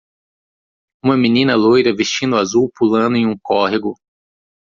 Uma menina loira vestindo azul pulando em um córrego